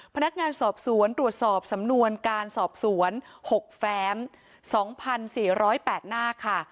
พนักงานสอบสวนตรวจสอบสำนวนการสอบสวน๖แฟ้ม๒๔๐๘หน้าค่ะ